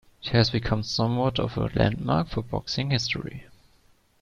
It has become somewhat of a landmark for boxing history.